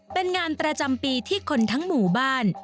เป็นงานประจำปีที่คนทั้งหมู่บ้าน